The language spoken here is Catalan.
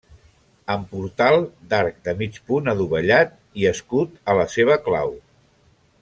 Amb portal d'arc de mig punt adovellat i escut a la seva clau.